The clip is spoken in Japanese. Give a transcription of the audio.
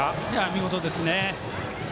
見事ですね。